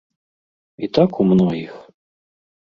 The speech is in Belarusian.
І так у многіх.